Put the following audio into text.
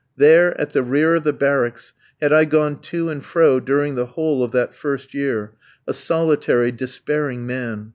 There, at the rear of the barracks, had I gone to and fro during the whole of that first year, a solitary, despairing man.